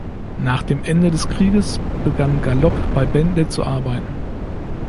Nach dem Ende des Krieges begann Gallop bei Bentley zu arbeiten.